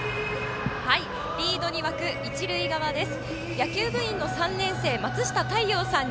リードに沸く一塁側です。